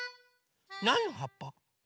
なんのはっぱ？